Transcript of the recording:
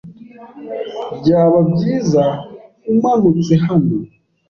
Byaba byiza umanutse hano.